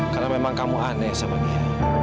karena memang kamu aneh sama dia